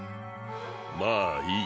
まあいい。